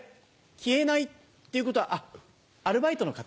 消えないっていうことはアルバイトの方？